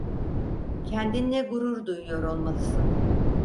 Kendinle gurur duyuyor olmalısın.